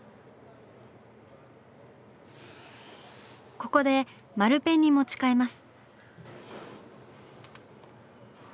ここで丸ペンに持ち替えます。